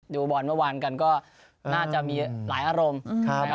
ดูบอลเมื่อวานกันก็น่าจะมีหลายอารมณ์นะครับ